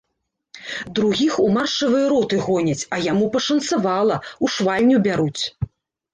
Другіх у маршавыя роты гоняць, а яму пашанцавала, у швальню бяруць.